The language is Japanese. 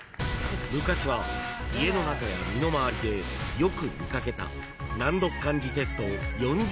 ［昔は家の中や身の回りでよく見掛けた難読漢字テスト４０問］